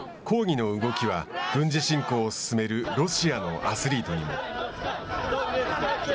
抗議の動きは軍事侵攻を進めるロシアのアスリートにも。